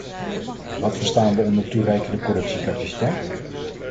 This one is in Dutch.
Wat verstaan we onder toereikende productiecapaciteit?